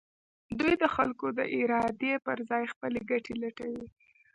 دوی د خلکو د ارادې پر ځای خپلې ګټې لټوي.